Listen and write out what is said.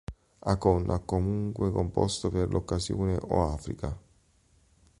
Akon ha comunque composto per l'occasione "Oh Africa".